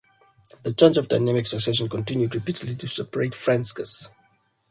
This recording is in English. The chance of dynastic succession continued repeatedly to separate Fezensac.